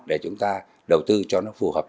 để chúng ta đầu tư cho nó phù hợp